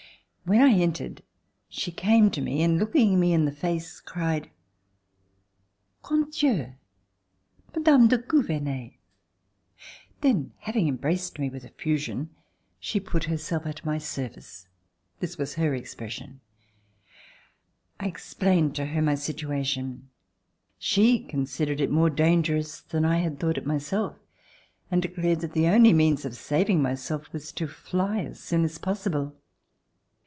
When I entered, she came to me, and looking me in the face cried: "Grand Dieu! Madame de Gou vernet!" Then having embraced me with effusion, she put herself at my service. (This was her expres RECOLLECTIONS OF THE REVOLUTION sion.) I explained to her my situation. She considered it more dangerous than I had thought it myself and declared that the only means of saving myself was to fly as soon as possible.